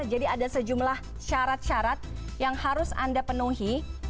jadi ada sejumlah syarat syarat yang harus anda penuhi